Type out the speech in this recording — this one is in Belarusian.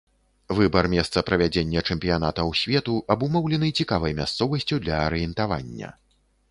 Выбар месца правядзення чэмпіянатаў свету абумоўлены цікавай мясцовасцю для арыентавання.